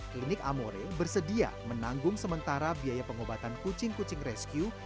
klinik amore bersedia menanggung sementara biaya pengobatan kucing kucing rescue